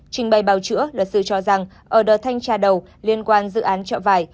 trình bày báo chữa lợt sư cho rằng ở đợt thanh tra đầu liên quan dự án trợ vay